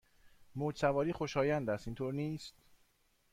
موج سواری خوشایند است، اینطور نیست؟